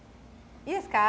いいですか。